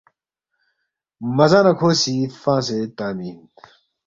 مہ زا نہ کھو سی فنگسے تنگمی اِن